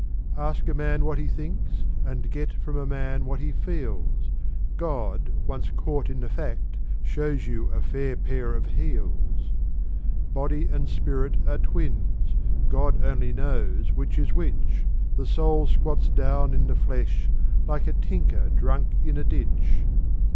Ask a man what he thinks, and get from a man what he feels: God, once caught in the fact, shows you a fair pair of heels. Body and spirit are twins: God only knows which is which: The soul squats down in the flesh, like a tinker drunk in a ditch.